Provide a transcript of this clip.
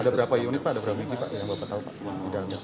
ada berapa unit pak ada berapa unit pak